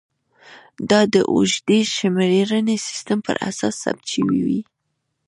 دا د اوږدې شمېرنې سیستم پر اساس ثبت شوې وې